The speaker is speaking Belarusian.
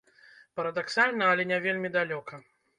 Парадаксальна, але не вельмі далёка.